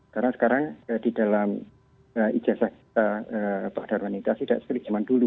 karena sekarang di dalam ijazah pak dharma nintias tidak seperti zaman dulu